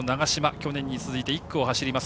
去年に続いて１区を走ります。